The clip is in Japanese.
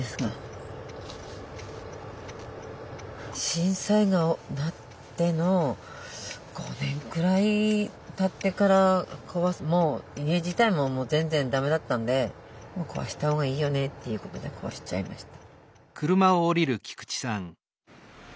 震災なっての５年くらいたってからもう家自体も全然だめだったんでもう壊した方がいいよねっていうことで壊しちゃいました。